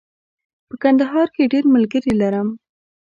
په کندهار کې ډېر ملګري لرم.